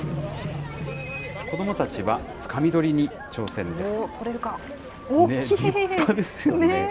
子どもたちはつかみ取りに挑戦です。